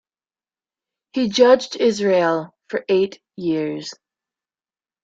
He judged Israel for eight years.